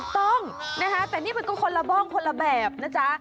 ต้องนะคะแต่นี่มันก็คนละบ้องคนละแบบนะจ๊ะ